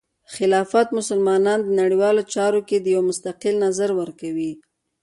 خلافت مسلمانانو ته د نړیوالو چارو کې د یو مستقل نظر ورکوي.